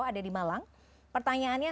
ada di malang pertanyaannya